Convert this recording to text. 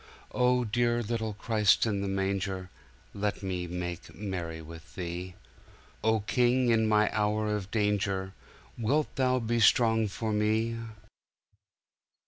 '"O dear little Christ in the manger, Let me make merry with Thee.O King, in my hour of danger, Wilt Thou be strong for me?"